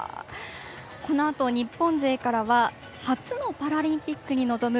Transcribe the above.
このあと日本勢からは初のパラリンピックに臨む